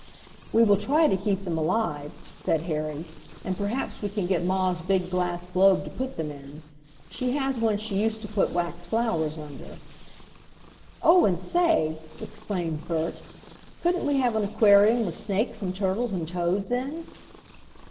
"We will try to keep them alive," said Harry, "and perhaps we can get ma's big glass globe to put them in. She has one she used to put wax flowers under." "And, oh say!" exclaimed Bert, "couldn't we have an aquarium with snakes and turtles and toads in?"